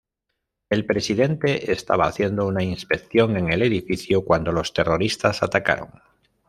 El presidente estaba haciendo una inspección en el edificio cuando los terroristas atacaron.